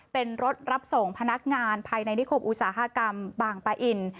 เป็นรถรับส่งพนักงานภายในนิคมอุตสาหกรรมบางปะอิน